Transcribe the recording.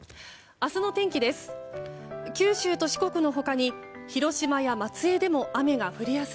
明日の天気です。